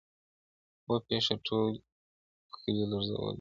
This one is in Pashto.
o پېښه ټول کلي لړزوي ډېر,